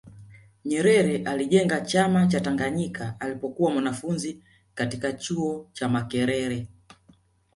nyerere alijenga chama cha tanganyika alipokuwa mwanafunzi katika chuo cha makerere